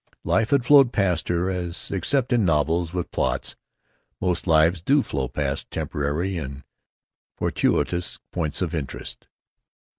Life had flowed past her as, except in novels with plots, most lives do flow past temporary and fortuitous points of interest....